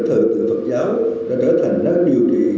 chống dịch như chống giặc với những hành động cao đẹp đầy tính nhân ái